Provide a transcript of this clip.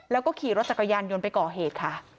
แล้วก็ขี่รถจักรยานยนต์ไปก่อเหตุค่ะ